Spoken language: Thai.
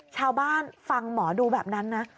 ชาวบ้านฟังหมอดูแบบนั้นนะ